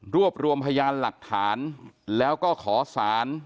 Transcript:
รวบรวมพยานหลักฐานแล้วก็ขอสาร